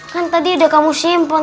kan tadi udah kamu simpan